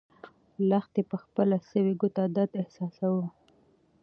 لښتې په خپله سوې ګوته درد احساساوه.